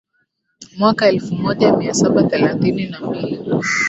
Mwaka elfumoja mia saba thelathini na mbili